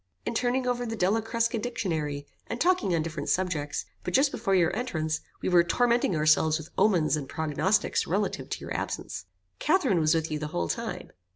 "In turning over the Della Crusca dictionary, and talking on different subjects; but just before your entrance, we were tormenting ourselves with omens and prognosticks relative to your absence." "Catherine was with you the whole time?"